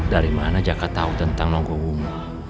dari mana jaka tahu tentang mangkumo